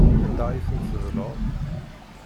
Anda ay tent-tedleḍ?